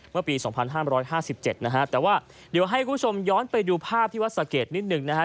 เมื่อปี๒๕๕๗นะฮะแต่ว่าเดี๋ยวให้คุณผู้ชมย้อนไปดูภาพที่วัดสะเกดนิดหนึ่งนะฮะ